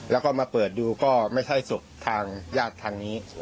แล้วก็มาเปิดดูก็ไม่ใช่ศพทางญาติทางนี้